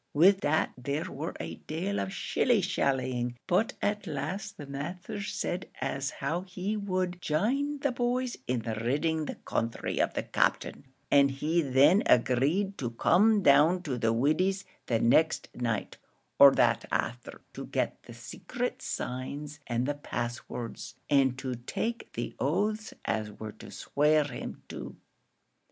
Wid that there war a dale of shilly shallying but at last the masther said as how he would jine the boys in ridding the counthry of the Captain, and he thin agreed to come down to the Widdy's the next night, or that afther, to get the secret signs and the pass words, and to take the oaths they war to swear him to.